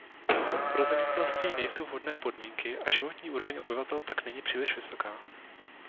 Pro zemědělství nejsou vhodné podmínky a životní úroveň obyvatel tak není příliš vysoká.